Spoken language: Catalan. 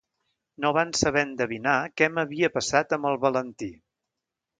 No van saber endevinar què m'havia passat amb el Valentí...